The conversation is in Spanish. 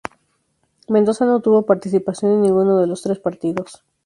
Mendoza no tuvo participación en ninguno de los tres partidos.